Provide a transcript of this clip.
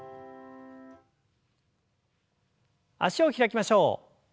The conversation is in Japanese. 脚を開きましょう。